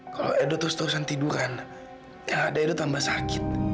kalau edo terus terusan tiduran yang ada edo tambah sakit